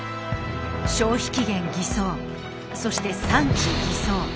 消費期限偽装そして産地偽装。